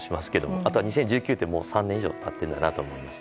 あとは２０１９って３年以上経っているだなと思いました。